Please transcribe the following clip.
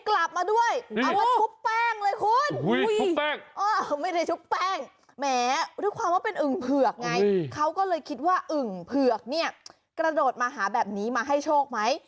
กรอบมาด้วยเอามาชุบแป้งเลยคุณเค้าเลยคิดว่าอึ่งเผือกกระโดดมาหาแบบนี้มาให้โชคไหม